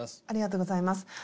ありがとうございます。